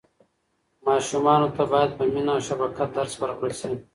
ماشومانو ته باید په مینه او شفقت درس ورکړل سي.